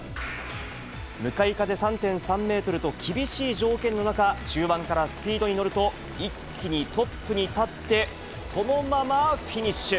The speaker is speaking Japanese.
向かい風３．３メートルと厳しい条件の中、中盤からスピードに乗ると、一気にトップに立ってそのままフィニッシュ。